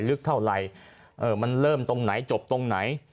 เอ่อมันเริ่มตรงไหนจบตรงไหน